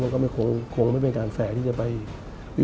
ผมเองกับคุณอุ้งอิ๊งเองเราก็รักกันเหมือนน้อง